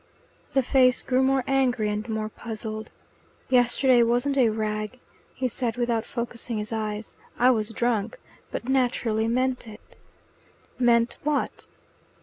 The face grew more angry and more puzzled. "Yesterday wasn't a rag," he said without focusing his eyes. "I was drunk, but naturally meant it." "Meant what?"